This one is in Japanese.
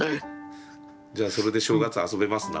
じゃあそれで正月遊べますな。